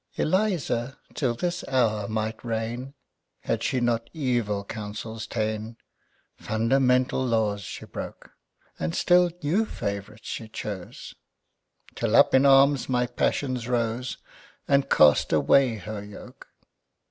Elisa till this hour might reign Had she not evil counsels ta'ne. Fundamental laws she broke, And still new favorites she chose, Till up in arms my passions rose, And cast away her yoke.